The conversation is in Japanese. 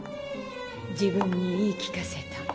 自分に言い聞かせた。